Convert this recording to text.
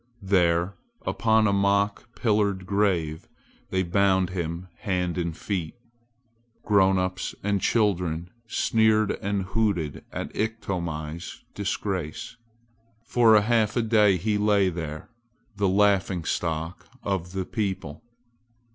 There upon a mock pillared grave they bound him hand and feet. Grown ups and children sneered and hooted at Iktomi's disgrace. For a half day he lay there, the laughing stock of the people.